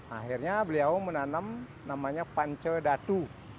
akhirnya beliau menanam namanya pancedatu